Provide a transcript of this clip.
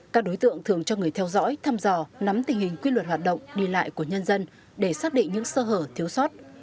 các đối tượng thường cho người theo dõi thăm dò nắm tình hình quy luật hoạt động đi lại của nhân dân để xác định những sơ hở thiếu sót